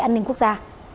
an ninh quốc gia